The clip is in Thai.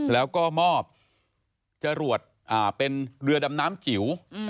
แล้วก็มอบจรวดเป็นเรือดำน้ำจิ๋ว